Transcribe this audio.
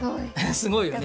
すごいよね。